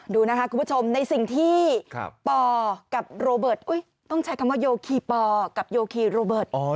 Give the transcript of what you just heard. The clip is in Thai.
ดูนะคะคุณผู้ชมในสิ่งที่ปอกับโรเบิร์ตต้องใช้คำว่าโยคีปอกับโยคีโรเบิร์ต